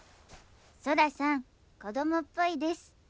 ソラさん子供っぽいです。